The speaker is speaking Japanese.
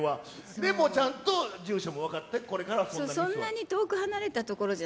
でもちゃんと、住所も分かって、これからはそんなミスは。